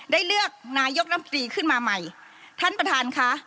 ได้เลือกนายกรัฐมนตรีขึ้นมาใหม่ท่านประธานค่ะ